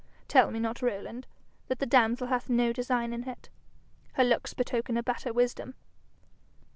Tell me not, Rowland, that the damsel hath no design in it. Her looks betoken a better wisdom.